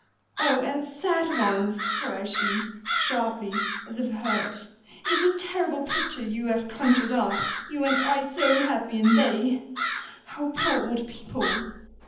"Oh! and sad ones!" cries she, sharply, as if hurt. "It is a terrible picture you have conjured up. You and I so happy, and they Oh! poor old people!"